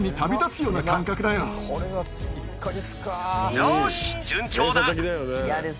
・よし順調だ・・